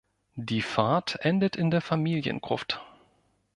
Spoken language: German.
Die Fahrt endet in der Familiengruft.